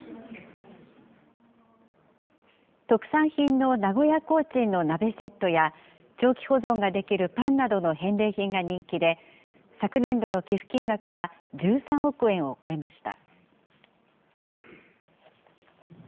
特産品の名古屋コーチンの鍋セットや、長期保存ができるパンなどの返礼品が人気で、昨年度の寄付金額は１３億円を超えました。